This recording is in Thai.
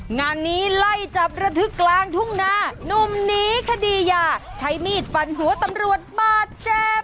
งานนี้ไล่จับระทึกกลางทุ่งนานุ่มหนีคดียาใช้มีดฟันหัวตำรวจบาดเจ็บ